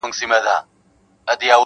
مرور سهار به هله راستنېږي,